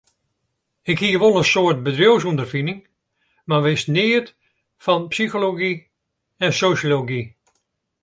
Ik hie wol in soad bedriuwsûnderfining, mar wist neat fan psychology en sosjology.